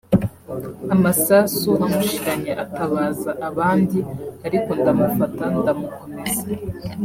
amasasu amushiranye atabaza abandi ariko ndamufata ndamukomeza